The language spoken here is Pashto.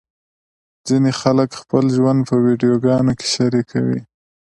ځینې خلک خپل ژوند په ویډیوګانو کې شریکوي.